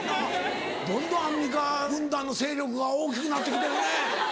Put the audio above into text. どんどんアンミカ軍団の勢力が大きくなってきてるね。